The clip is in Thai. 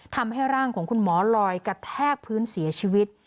ทำให้ร่างของคุณหมอลอยกระแทกพื้นเสียชีวิต